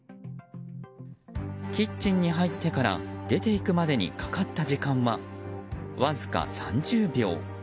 キッチンに入ってから出ていくまでにかかった時間はわずか３０秒。